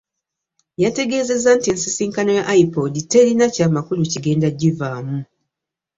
Yategeezezza nti ensisinkano ya IPOD terina kya makulu kigenda givaamu.